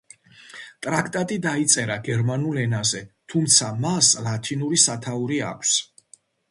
ტრაქტატი დაიწერა გერმანულ ენაზე, თუმცა მას ლათინური სათაური აქვს.